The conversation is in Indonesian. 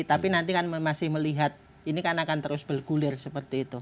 tapi nanti kan masih melihat ini kan akan terus bergulir seperti itu